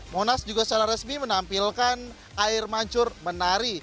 monas juga secara resmi menampilkan air mancur menari